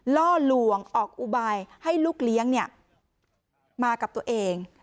ล่อลวงออกอุบายให้ลูกเลี้ยงมากับตัวเอง